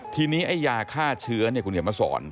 ทีนี้ไอ้ยาฆ่าเชื้อเนี่ยคุณเขียนมาสอน